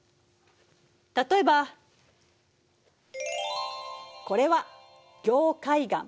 例えばこれは凝灰岩。